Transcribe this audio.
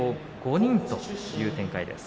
５人という展開です。